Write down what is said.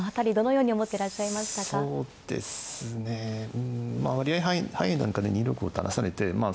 うんまあ割合早い段階で２六歩を垂らされてまあ